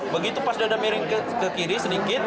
begitu pas sudah ada miring ke kiri sedikit